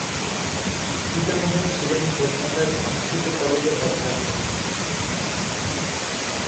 পিতামহ ছিলেন কলকাতার সংস্কৃত কলেজের অধ্যক্ষ।